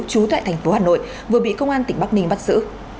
trú tại thành phố hà nội vừa bị công an tỉnh bắc ninh bắt giữ